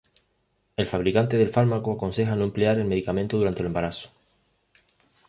El fabricante del fármaco aconseja no emplear el medicamento durante el embarazo.